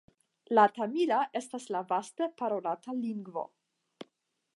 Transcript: La tamila estas la vaste parolata lingvo.